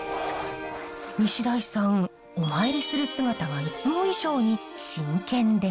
西代さんお参りする姿がいつも以上に真剣です。